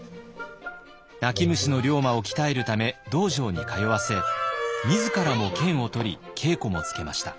泣き虫の龍馬を鍛えるため道場に通わせ自らも剣を取り稽古もつけました。